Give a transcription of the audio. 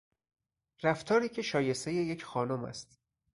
رفتاری که شایستهی یک خانم است